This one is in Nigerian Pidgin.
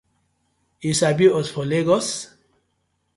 Yu sabi we for Legos?